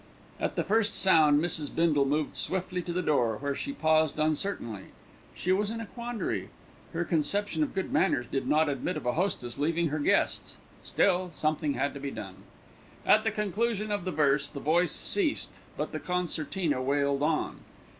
At the first sound, Mrs. Bindle moved swiftly to the door, where she paused uncertainly. She was in a quandary. Her conception of good manners did not admit of a hostess leaving her guests; still something had to be done. At the conclusion of the verse the voice ceased; but the concertina wailed on.